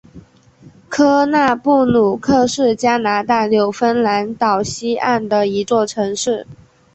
科纳布鲁克是加拿大纽芬兰岛西岸的一座城市。